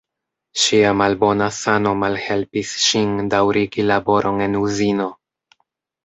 Ŝia malbona sano malhelpis ŝin daŭrigi laboron en uzino.